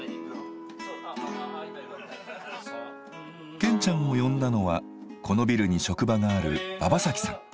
ケンちゃんを呼んだのはこのビルに職場がある馬場崎さん。